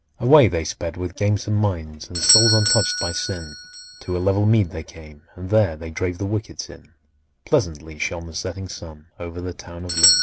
Away they sped with gamesome minds, And souls untouched by sin; To a level mead they came, and there They drave the wickets in: Pleasantly shone the setting sun Over the town of Lynn.